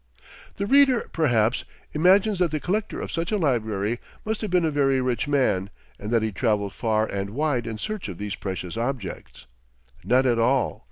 The reader, perhaps, imagines that the collector of such a library must have been a very rich man, and that he traveled far and wide in search of these precious objects. Not at all.